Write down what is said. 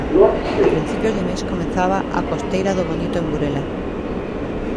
A principios de mes comezaba a costeira do bonito en Burela.